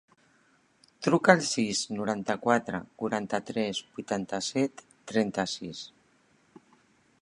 Truca al sis, noranta-quatre, quaranta-tres, vuitanta-set, trenta-sis.